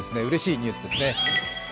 うれしいニュースですね。